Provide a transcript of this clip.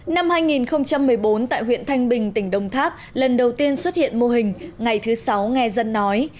năm hai nghìn một mươi bốn tại huyện thanh bình tỉnh đồng tháp lần đầu tiên xuất hiện mô hình ngày thứ sáu nghe dân nói